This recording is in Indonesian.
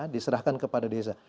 diserahkan kepada desa